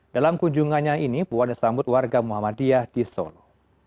dalam kunjungannya ini puan disambut warga muhammadiyah di solo